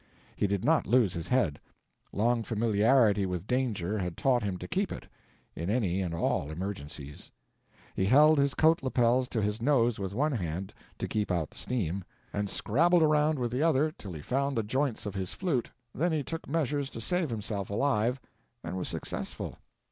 He did not lose his head—long familiarity with danger had taught him to keep it, in any and all emergencies. He held his coat lapels to his nose with one hand, to keep out the steam, and scrabbled around with the other till he found the joints of his flute, then he took measures to save himself alive, and was successful.